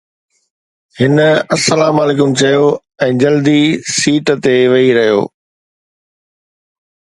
هن السلام عليڪم چيو ۽ جلدي سيٽ تي ويهي رهيو.